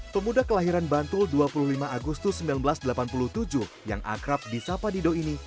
pemuda kelahiran bantul dua puluh lima agustus seribu sembilan ratus delapan puluh tujuh yang akrab di sapa dido ini